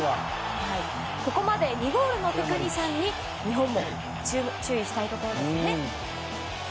ここまで２ゴールのテクニシャンに日本も注意したいところですね。